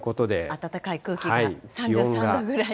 暖かい空気が、３３度ぐらいに。